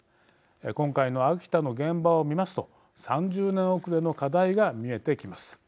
今回の秋田の現場を見ますと３０年遅れの課題が見えてきます。